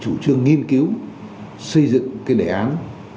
chủ trương nghiên cứu xây dựng đề án một trăm linh sáu